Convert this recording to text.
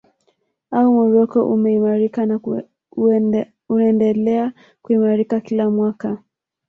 Au Morocco umeimarika na unaendelea kuimarika kila mwaka